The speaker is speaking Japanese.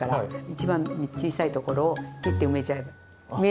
一番小さい所を切って埋めちゃえばいい。